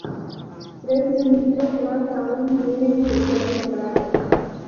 Tres ministros más aún tienen que ser nombrados.